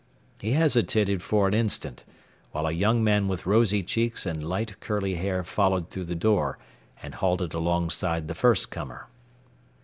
He hesitated for an instant, while a young man with rosy cheeks and light curly hair followed through the door and halted alongside the first comer.